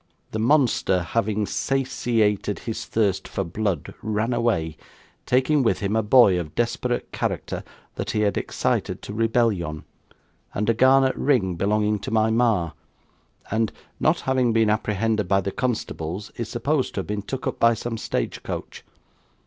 'The monster having sasiated his thirst for blood ran away, taking with him a boy of desperate character that he had excited to rebellyon, and a garnet ring belonging to my ma, and not having been apprehended by the constables is supposed to have been took up by some stage coach.